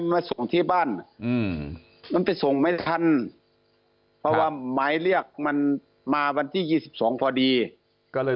มาส่งที่บ้านมันไปส่งไม่ได้ทันเพราะว่าหมายเรียกมันมาวันที่๒๒พอดีก็เลย